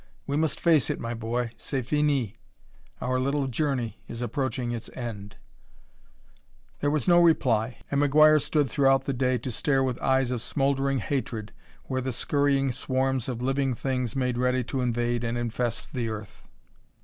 We must face it, my boy; c'est fini. Our little journey is approaching its end." There was no reply, and McGuire stood throughout the day to stare with eyes of smouldering hatred where the scurrying swarms of living things made ready to invade and infest the earth.